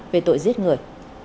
về tội giết người